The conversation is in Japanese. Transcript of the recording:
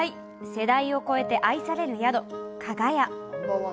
世代を超えて愛される宿、加賀屋。